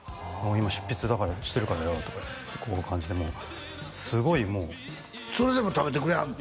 「今執筆してるからよ」とか言ってこういう感じですごいもうそれでも食べてくれはるの？